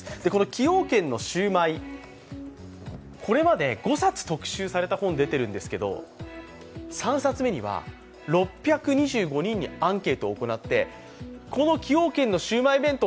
崎陽軒のシウマイ、これは５冊特集された本が出てるんですけど３冊目には６２５人にアンケートを行ってこの崎陽軒のシウマイ弁当